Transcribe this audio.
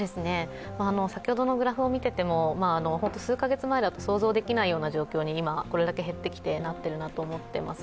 先ほどのグラフを見ていても数カ月前だと想像できないような状況に今、これだけ減ってきてなってるなと思っています。